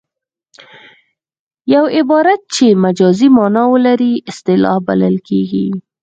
یو عبارت چې مجازي مانا ولري اصطلاح بلل کیږي